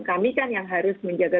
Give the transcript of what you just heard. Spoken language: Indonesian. kami kan yang harus menjaga